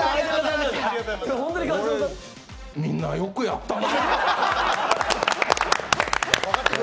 みんなよくやったな。